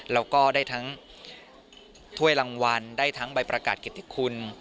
แล้วก็ได้ทั้งถ้วยรางวัลได้ทั้งใบประกาศเกียรติคุณ